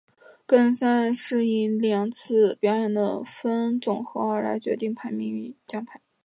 个人赛是以两次表演的分数总和来决定排名及奖牌。